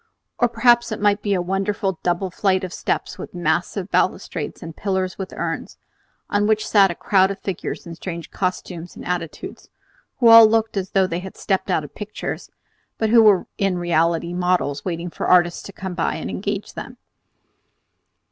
Or perhaps it might be a wonderful double flight of steps with massive balustrades and pillars with urns, on which sat a crowd of figures in strange costumes and attitudes, who all looked as though they had stepped out of pictures, but who were in reality models waiting for artists to come by and engage them.